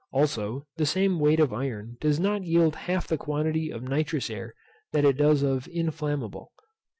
Also, the same weight of iron does not yield half the quantity of nitrous air that it does of inflammable.